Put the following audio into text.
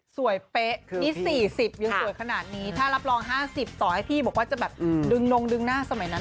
เป๊ะนี่๔๐ยังสวยขนาดนี้ถ้ารับรอง๕๐ต่อให้พี่บอกว่าจะแบบดึงนงดึงหน้าสมัยนั้น